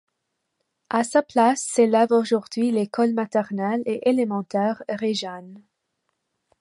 À sa place s'élève aujourd'hui l'école maternelle et élémentaire Réjane.